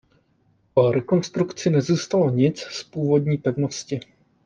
Po rekonstrukci nezůstalo nic z původní pevnosti.